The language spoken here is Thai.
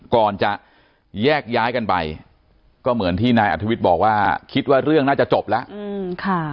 ก่อนจะแยกย้ายกันไปก็เหมือนที่นายอัธวิทย์บอกว่าคิดว่าเรื่องน่าจะจบแล้ว